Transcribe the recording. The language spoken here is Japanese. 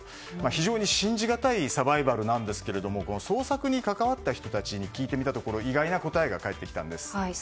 非常に信じがたいサバイバルなんですけど捜索に関わった人たちに聞いてみたところ意外な答えが返ってきたんです。